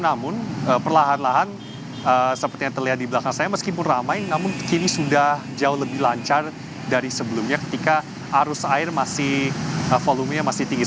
namun perlahan lahan seperti yang terlihat di belakang saya meskipun ramai namun kini sudah jauh lebih lancar dari sebelumnya ketika arus air masih volumenya masih tinggi